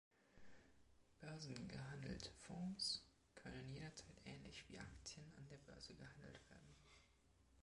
Börsengehandelte Fonds können jederzeit ähnlich wie Aktien an der Börse gehandelt werden.